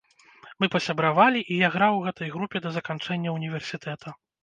Мы пасябравалі, і я граў у гэтай групе да заканчэння ўніверсітэта.